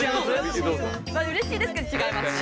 嬉しいですけど違いますね。